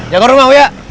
jangan ke rumah gue ya